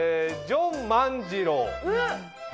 ジョン万次郎？